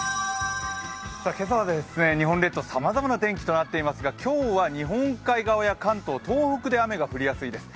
今朝はですね、日本列島さまざまな天気となってますが今日は日本海側や関東、東北で雨が降りやすいです。